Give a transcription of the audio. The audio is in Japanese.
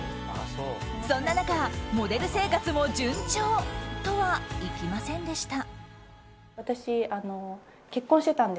そんな中、モデル生活も順調とはいきませんでした。